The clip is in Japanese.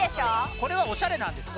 これはおしゃれなんですか？